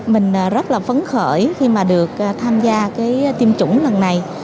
mình rất là phấn khởi khi mà được tham gia cái tiêm chủng lần này